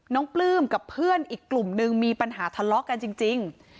ปลื้มกับเพื่อนอีกกลุ่มนึงมีปัญหาทะเลาะกันจริง